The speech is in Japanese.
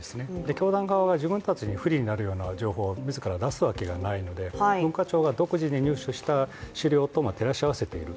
教団側が、自分たちに不利になるような情報を自ら出すわけがないので文化庁が独自に入手した資料と照らし合わせている。